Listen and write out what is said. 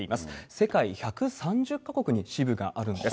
世界１３０か国に支部があるんです。